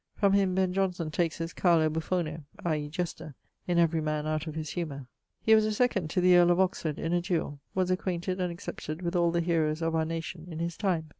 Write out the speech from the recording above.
From him Ben Johnson takes his Carlo Buffono (i.e. 'jester') in Every Man out of his Humour. He was a second to the earle of Oxford in a duell. Was acquainted and accepted with all the hero's of our nation in his time.